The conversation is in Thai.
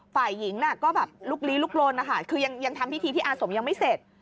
ฝ่ายหญิงก็แบบลุกลี้ลุกลนนะคะคือยังทำพิธีที่อาสมยังไม่เสร็จ